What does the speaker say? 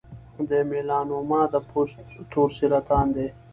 د میلانوما د پوست تور سرطان دی.